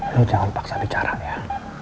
ini jangan paksa bicara ya